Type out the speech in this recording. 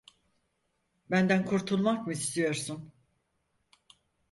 Benden kurtulmak mı istiyorsun?